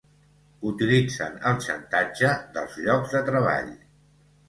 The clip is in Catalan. Utilitzen el xantatge dels llocs de treball.